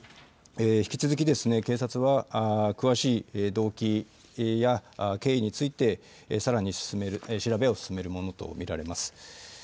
引き続き、警察は、詳しい動機や経緯についてさらに調べを進めるものと見られます。